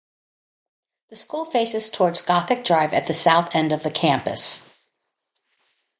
The school faces towards Gothic Drive at the south end of the campus.